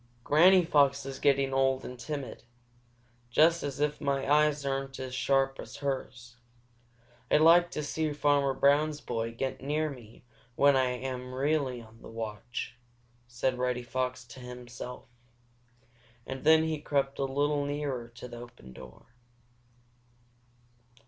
"Granny Fox is getting old and timid. Just as if my eyes aren't as sharp as hers! I'd like to see Farmer Brown's boy get near me when I am really on the watch," said Reddy Fox to himself. And then he crept a little nearer to the open door.